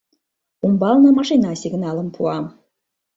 Умбалне машина сигналым пуа.